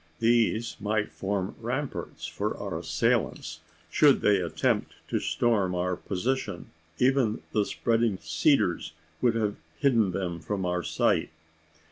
These might form ramparts for our assailants should they attempt to storm our position. Even the spreading cedars would have hidden them from our sight.